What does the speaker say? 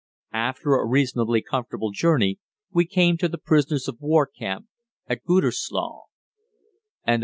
After a reasonably comfortable journey we came to the prisoners of war camp at Gütersloh.